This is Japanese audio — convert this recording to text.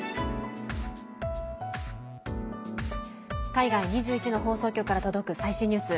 海外２１の放送局から届く最新ニュース。